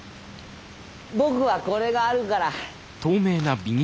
僕はこれがあるから。